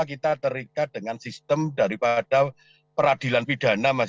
maka kita terikat dengan sistem daripada peradilan pidana